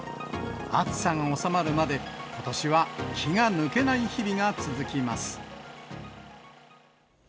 暑さが収まるまで、ことしは気が抜けない日々が続きます。